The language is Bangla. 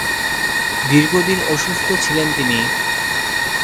দীর্ঘদিন অসুস্থ ছিলেন তিনি।